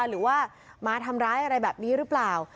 หรือว่ามาทำร้ายอะไรแบบนี้หรือเปล่า